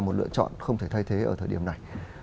một lựa chọn không thể thay thế ở thời điểm này